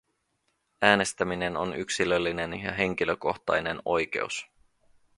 Äänestämien on yksilöllinen ja henkilökohtainen oikeus.